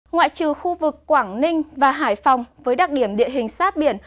ngoại trừ khu vực quảng ninh và hải phòng với đặc điểm địa hình sát biển